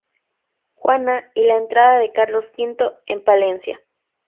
Juana" y la "Entrada de Carlos V en Palencia".